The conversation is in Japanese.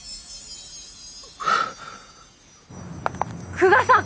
久我さん！